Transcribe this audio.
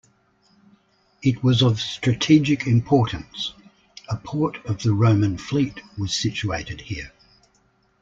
It was of strategic importance; a port of the Roman fleet was situated here.